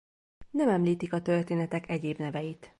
Nem említik a történetek egyéb neveit.